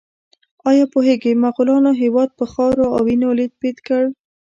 ایا پوهیږئ مغولانو هېواد په خاورو او وینو لیت پیت کړ؟